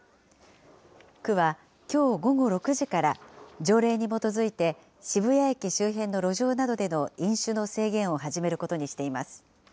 区は、きょう午後６時から条例に基づいて、渋谷駅周辺の路上などでの飲酒の制限を始めることにしています。